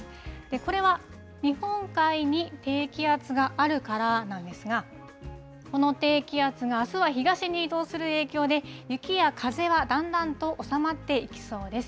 これは日本海に低気圧があるからなんですが、この低気圧があすは東に移動する影響で、雪や風はだんだんと収まっていきそうです。